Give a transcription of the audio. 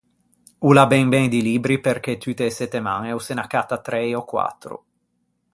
O l’à ben ben di libbri perché tutte e settemañe o se n’accatta trei ò quattro.